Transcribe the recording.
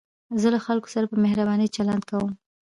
زه له خلکو سره په مهربانۍ چلند کوم.